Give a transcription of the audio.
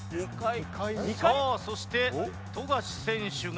さあそして富樫選手が。